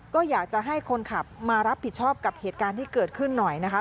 ก็อยากจะให้คนขับมารับผิดชอบกับเหตุการณ์ที่เกิดขึ้นหน่อยนะคะ